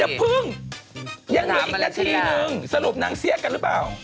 พึ่งยังเหลืออีกนาทีนึงสรุปนางเสี้ยกันหรือเปล่า